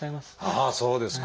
ああそうですか。